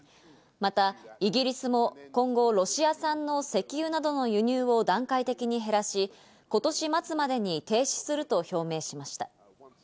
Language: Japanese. またイギリスも今後、ロシア産の石油などの輸入を段階的に減らし、今年末までに停止すると表明しました。